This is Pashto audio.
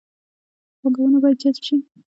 پانګونه باید جذب شي